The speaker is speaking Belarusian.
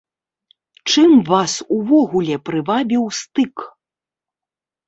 Чым вас увогуле прывабіў стык?